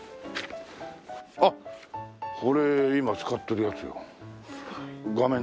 あっこれ今使ってるやつよ。